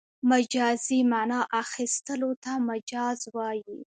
مجازي مانا اخستلو ته مجاز وايي.